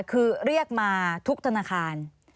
คือเรียกมาทุกธนาคาร